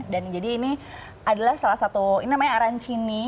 dan jadi ini adalah salah satu ini namanya arancini